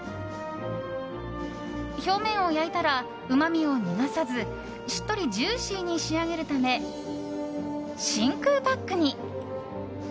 表面を焼いたら、うまみを逃さずしっとりジューシーに仕上げるため、真空パックに。